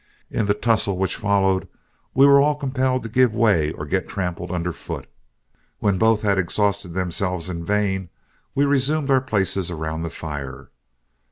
In the tussle which followed, we were all compelled to give way or get trampled underfoot. When both had exhausted themselves in vain, we resumed our places around the fire.